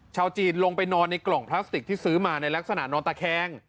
ชาวจีนลงไปนอนในกล่องพลาสติกที่ซื้อมาในลักษณะนอนตะแคง